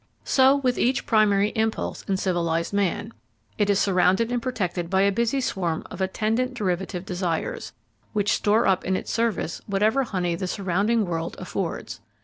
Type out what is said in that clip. So with each primary impulse in civilised man: it is surrounded and protected by a busy swarm of attendant derivative desires, which store up in its service whatever honey the surrounding world affords.